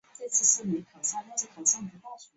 东部大猩猩是白天活动及草食性的。